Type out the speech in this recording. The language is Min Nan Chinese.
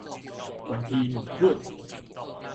懸黐麵粉